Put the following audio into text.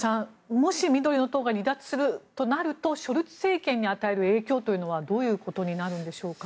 もし緑の党が離脱するとなるとショルツ政権に与える影響というのはどういうことになるのでしょうか。